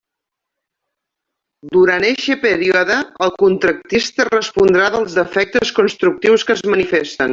Durant eixe període, el contractista respondrà dels defectes constructius que es manifesten.